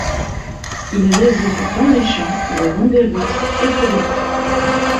Il réside dans les champs, le long des routes et près des mares.